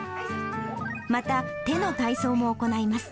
また手の体操も行います。